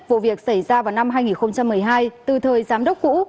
vụ việc xảy ra vào năm hai nghìn một mươi hai từ thời giám đốc cũ